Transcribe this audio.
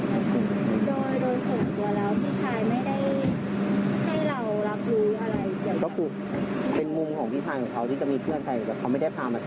ไม่ได้แนะนำให้ครอบครัวรู้จักอะไรทั้งสิ้นเลย